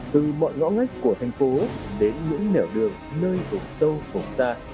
từ mọi ngõ ngách của thành phố đến những nẻo đường nơi hổng sâu hổng xa